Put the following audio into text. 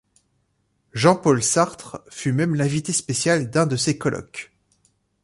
Jean-Paul Sartre fut même l'invité spécial d'un de ses colloques.